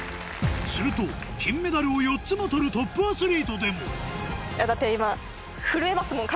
すると金メダルを４つも取るトップアスリートでもだって今。